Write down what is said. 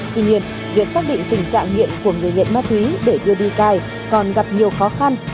tuy nhiên việc xác định tình trạng nghiện của người nghiện ma túy để đưa đi cai còn gặp nhiều khó khăn